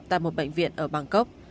tại một bệnh viện ở bangkok